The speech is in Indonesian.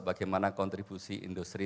bagaimana kontribusi industri